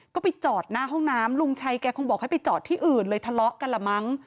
ก็ไปจอดหน้าห้องน้ำลุงชัยแกคงบอกให้ไปจอดที่อื่นเลยทะเลาะกันละมั้ง